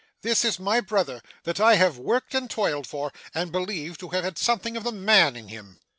This is my brother, that I have worked and toiled for, and believed to have had something of the man in him!